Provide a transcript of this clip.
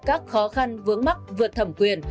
các khó khăn vướng mắc vượt thẩm quyền